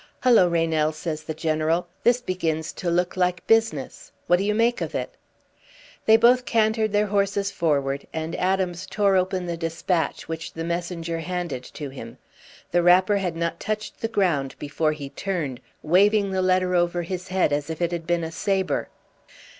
"Hullo, Reynell!" says the general. "This begins to look like business. What do you make of it?" They both cantered their horses forward, and Adams tore open the dispatch which the messenger handed to him. The wrapper had not touched the ground before he turned, waving the letter over his head as if it had been a sabre.